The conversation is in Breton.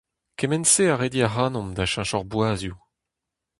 Kement-se a redi ac'hanomp da cheñch hor boazioù.